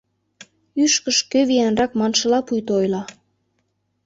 Ӱшкыж кӧ виянрак маншыла пуйто ойла.